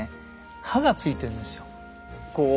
刃がついてるんですよ。